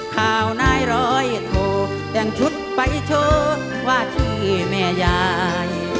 ข่าวนายร้อยโทแต่งชุดไปโชว์ว่าที่แม่ยาย